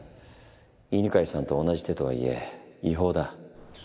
犬飼さんと同じ手とはいえ違法だ。